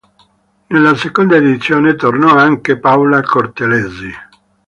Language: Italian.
Nella seconda edizione tornò anche Paola Cortellesi.